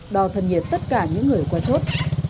đò thân nhiệt tất cả những người qua chốt